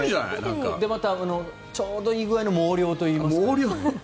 また、ちょうどいい具合の毛量といいますか。